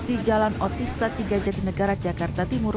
di jalan otista tiga jati negara jakarta timur